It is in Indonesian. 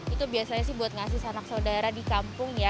itu biasanya sih buat ngasih anak saudara di kampung ya